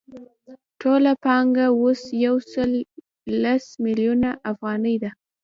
ټوله پانګه اوس یو سل لس میلیونه افغانۍ ده